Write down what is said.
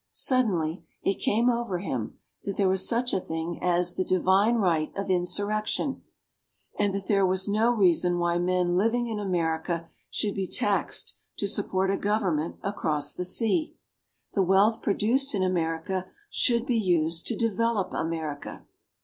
Suddenly it came over him that there was such a thing as "the divine right of insurrection," and that there was no reason why men living in America should be taxed to support a government across the sea. The wealth produced in America should be used to develop America.